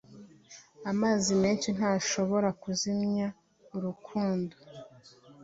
Amazi menshi ntashobora kuzimya urukundo